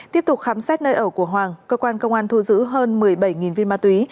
tiếp tục khám xét nơi ở của hoàng cơ quan công an thu giữ hơn một mươi bảy viên ma túy